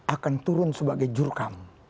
akan turun sebagai jurkam